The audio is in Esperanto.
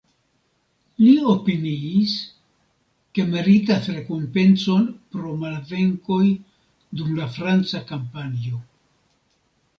Li opiniis, ke meritas rekompencon pro malvenkoj dum la franca kampanjo.